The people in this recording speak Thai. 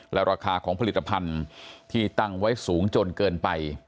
และราคาของผลิตภัณฑ์ที่ตั้งไว้สูงจนเกินไป